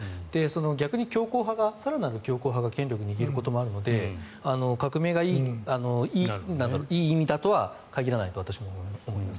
逆に更なる強硬派が権力を握ることもあるので革命がいい意味だとは限らないと私も思います。